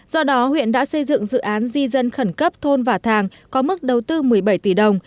do đó huyện đã xây dựng dự án di dân khẩn cấp thôn vả thàng có mức đầu tư một mươi bảy tỷ đồng